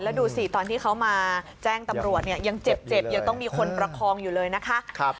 แล้วดูสิตอนที่เขามาแจ้งตำรวจเนี่ยยังเจ็บยังต้องมีคนประคองอยู่เลยนะคะ